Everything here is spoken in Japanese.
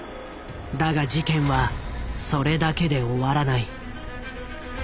だが事件はそれだけで終わらない。